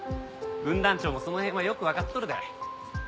分団長もその辺はよくわかっとるで。